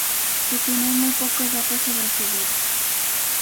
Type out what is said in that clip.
Se tienen muy pocos datos sobre su vida.